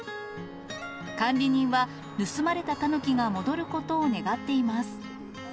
管理人は、盗まれたタヌキが戻ることを願っています。